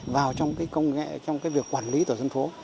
vào trong cái công nghệ trong cái việc quản lý tổ dân phố